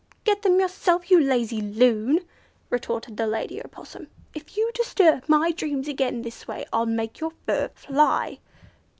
"Get them yourself, you lazy loon!" retorted the lady Opossum. "If you disturb my dreams again this way, I'll make your fur fly."